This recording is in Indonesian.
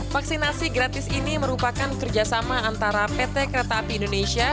vaksinasi gratis ini merupakan kerjasama antara pt kereta api indonesia